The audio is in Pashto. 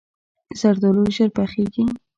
زردالو ژر پخیږي.